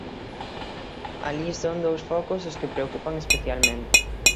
Alí son dous focos os que preocupan especialmente.